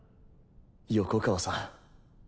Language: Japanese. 横川さん。